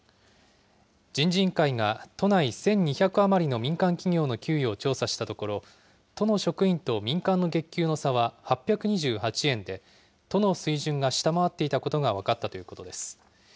人事委員会が都内１２００余りの民間企業の給与を調査したところ、都の職員と民間の月給の差は８２８円で、都の水準が下回っていたことが分かったということです。